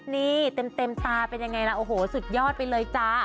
นี่เต็มตาเป็นยังไงล่ะโอ้โหสุดยอดไปเลยจ้า